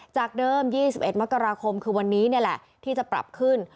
จากเดิม๒๑มกราคมคือวันนี้นี่แหละที่จะปรับขึ้น